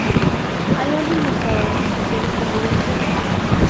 Hay varios restaurantes que sirven comida india y china.